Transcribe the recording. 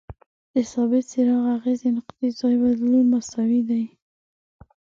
د ثابت څرخ اغیزې نقطې ځای بدلول مساوي دي.